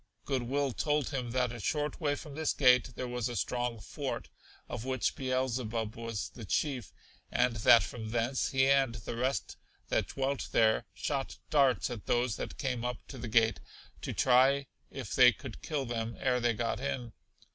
Good will told him that a short way from this gate there was a strong fort, of which Beelzebub was the chief, and that from thence he and the rest that dwelt there shot darts at those that came up to the gate to try if they could kill them ere they got in.